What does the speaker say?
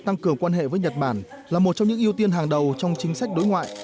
tăng cường quan hệ với nhật bản là một trong những ưu tiên hàng đầu trong chính sách đối ngoại